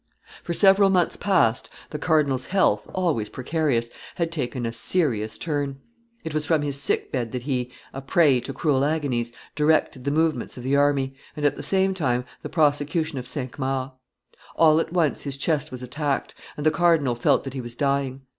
For several months past, the cardinal's health, always precarious, had taken a serious turn; it was from his sick bed that he, a prey to cruel agonies, directed the movements of the army, and, at the same time, the prosecution of Cinq Mars. All at once his chest was attacked; and the cardinal felt that he was dying.